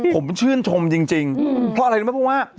ผมชื่นชมจริงเพราะอะไรไปว่า